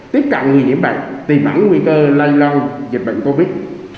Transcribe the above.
tiếp cận người diễn bệnh tìm ẩn nguy cơ lây lòng dịch bệnh covid